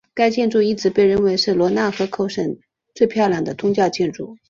该建筑一直被认为是罗讷河口省最漂亮的宗教建筑。